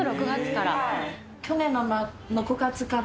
去年の６月から。